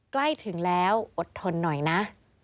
ใกล้ถึงแล้วอดทนหน่อยนะ